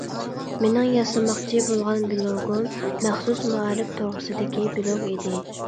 مېنىڭ ياسىماقچى بولغان بىلوگۇم مەخسۇس مائارىپ توغرىسىدىكى بىلوگ ئىدى.